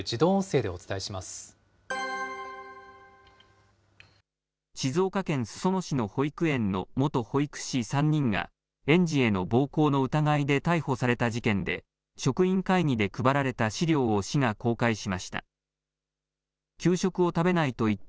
静岡県裾野市の保育園の元保育士３人が、園児への暴行の疑いで逮捕された事件で、職員会議で配られた資料を市が公開しました。